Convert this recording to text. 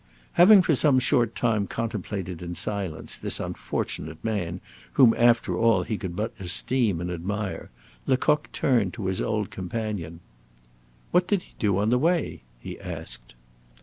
Having for some short time contemplated in silence this unfortunate man whom after all he could but esteem and admire, Lecoq turned to his old companion: "What did he do on the way?" he asked.